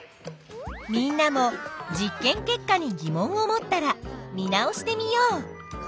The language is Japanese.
みんなも実験結果に疑問を持ったら見直してみよう。